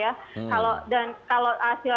dan kalau hasilnya bagus ya kita dukung dong ya